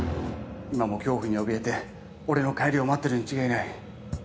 今も恐怖におびえて俺の帰りを待ってるに違いない。